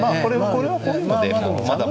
これはこういうのでまだまだ。